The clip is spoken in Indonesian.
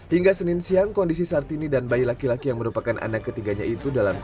hingga senin siang kondisi sartini dan bayi laki laki yang merupakan anak ketiganya itu berjualan di pos tiga